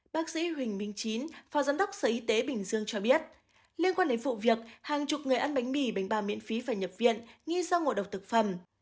bác sĩ huỳnh minh chín phó giám đốc sở y tế bình dương cho biết liên quan đến vụ việc hàng chục người ăn bánh mì bánh bà miễn phí phải nhập viện nghi do ngộ độc thực phẩm